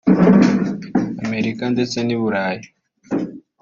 Amerika ndetse n’i Burayi